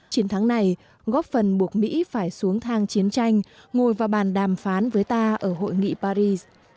chiến thắng này góp phần buộc mỹ phải xuống thang chiến tranh ngồi vào bàn đàm phán với ta ở hội nghị paris